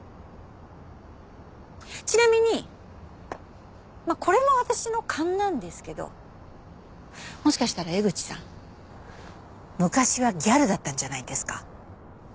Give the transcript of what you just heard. ちなみにこれも私の勘なんですけどもしかしたら江口さん昔はギャルだったんじゃないですか？